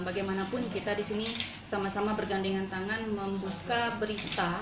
bagaimanapun kita disini sama sama bergandengan tangan membuka berita